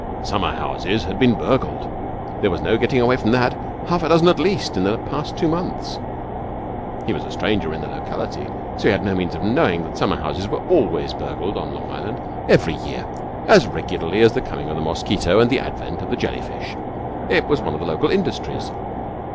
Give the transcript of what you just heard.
Summer homes had been burgled, there was no getting away from that half a dozen at least in the past two months. He was a stranger in the locality, so had no means of knowing that summer homes were always burgled on Long Island every year, as regularly as the coming of the mosquito and the advent of the jelly fish. It was one of the local industries.